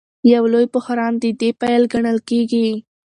یو لوی بحران د دې پیل ګڼل کېږي.